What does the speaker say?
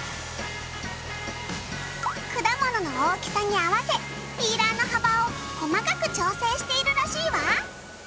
果物の大きさに合わせピーラーの幅を細かく調整しているらしいわ。